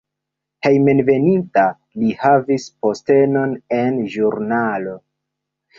Hejmenveninta li havis postenon en ĵurnalo.